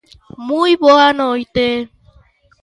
Moi boa noite.